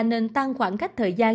nên tăng khoảng cách thời gian